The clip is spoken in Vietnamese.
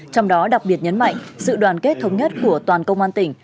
trong đó đặc biệt nhấn mạnh sự đoàn kết thống nhất của toàn công an tỉnh